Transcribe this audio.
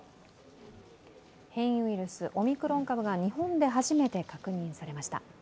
変異ウイルス、オミクロン株が日本で初めて確認されました。